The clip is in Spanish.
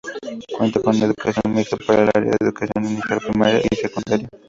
Cuenta con educación mixta para el área de Educación Inicial, Primaria y Secundaria.